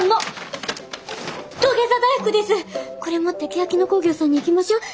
これ持ってけやき野興業さんに行きましょう。